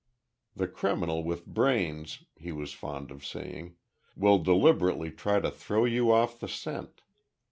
"The criminal with brains," he was fond of saying, "will deliberately try to throw you off the scent.